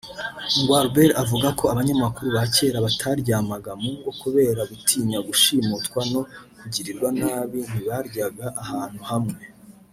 Gualbert avugako Abanyamakuru bakera bataryamaga mungo kubera gutinya gushimutwa no kugirirwa nabi ntibaryaga ahantu hamwe